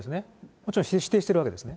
もちろん否定しているわけですね。